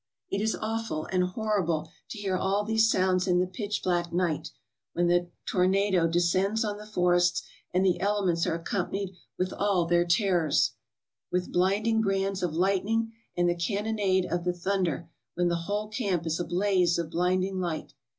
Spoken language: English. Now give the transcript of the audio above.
It is awful and horrible to hear all these sounds in the pitch black night, when the tornado descends on the forests, and the elements are accompanied with all their terrors, with blinding brands of lightning and the cannonade of the thunder, when the whole camp is a blaze of blinding light.